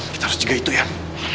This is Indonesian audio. kita harus jaga itu yan